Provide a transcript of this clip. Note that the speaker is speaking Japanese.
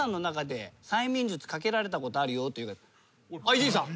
伊集院さん。